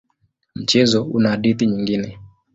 Mchezo una hadithi nyingine.